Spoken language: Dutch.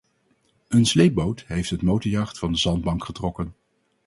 Een sleepboot heeft het motorjacht van de zandbank getrokken.